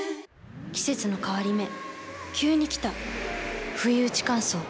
季節の変わり目急に来たふいうち乾燥。